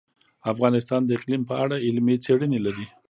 افغانستان د اقلیم په اړه علمي څېړنې لري.